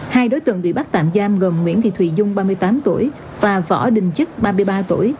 hai đối tượng bị bắt tạm giam gồm nguyễn thị thùy dung ba mươi tám tuổi và võ đình chức ba mươi ba tuổi